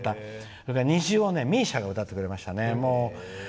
そして「虹」をＭＩＳＩＡが歌ってくれましたね。